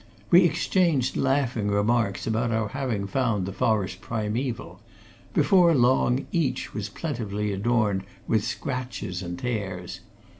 We exchanged laughing remarks about our having found the forest primeval; before long each was plentifully adorned with scratches and tears.